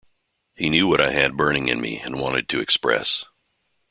He knew what I had burning in me and wanted to express.